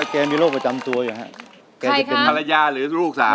เต้นจนหัวหลุดดีใจ